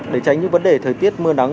để tránh những vấn đề thời tiết mưa nắng